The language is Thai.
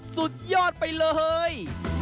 สุดยอดไปเลย